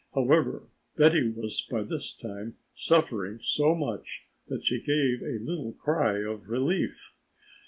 However, Betty was by this time suffering so much that she gave a little cry of relief.